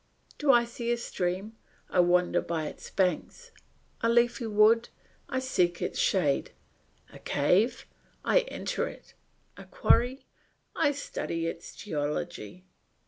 Do I see a stream, I wander by its banks; a leafy wood, I seek its shade; a cave, I enter it; a quarry, I study its geology.